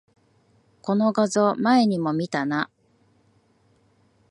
この画像、前にも見たな